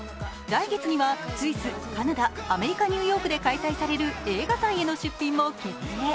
来月にはスイス、カナダ、アメリカ・ニューヨークで開催される映画祭への出品も決定。